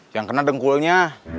yang kena dengkulnya